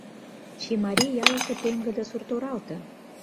Чимарий ялысе пеҥгыде сурт-оралте.